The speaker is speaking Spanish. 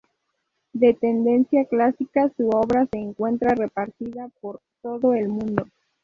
De tendencia clásica, su obra se encuentra repartida por todo el mundo.